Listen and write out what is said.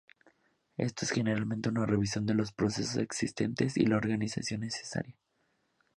Esto es generalmente una revisión de los procesos existentes y la organización necesaria.